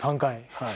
はい。